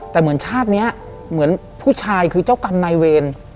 แต่เหมือนชาตินี้เหมือนผู้ชายคือเจ้ากรรมนายเวร